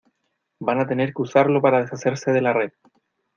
van a tener que usarlo para deshacerse de la red.